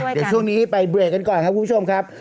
เดี๋ยวช่วงนี้ไปเบรกกันก่อนครับคุณผู้ชมครับ